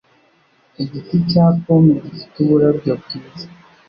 Igiti cya pome gifite uburabyo bwiza.